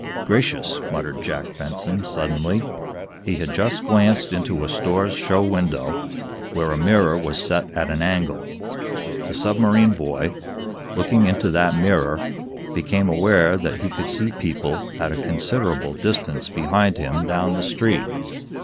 "Gracious!" muttered Jack Benson, suddenly. He had just glanced into a store's show window, where a mirror was set at an angle. The submarine boy, looking into that mirror, became aware that he could see people at a considerable distance behind him down the street.